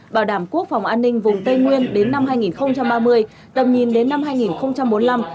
bảo đảm quốc phòng an ninh vùng tây nguyên đến năm hai nghìn ba mươi tầm nhìn đến năm hai nghìn bốn mươi năm